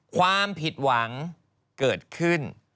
ความผิดหวังเกิดขึ้น